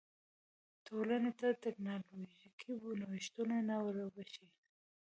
ټولنې ته ټکنالوژیکي نوښتونه نه وربښي.